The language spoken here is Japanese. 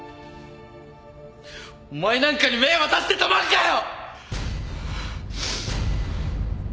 お前なんかにメイ渡してたまっかよ！